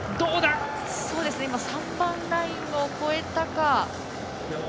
３番ラインを越えたか。